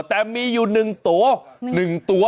แต่มีอยู่หนึ่งตัวหนึ่งตัว